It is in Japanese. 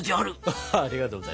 ありがとうございます。